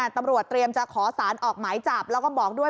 ตำรวจเตรียมจะขอสารออกหมายจับแล้วก็บอกด้วย